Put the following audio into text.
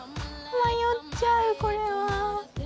迷っちゃうこれは。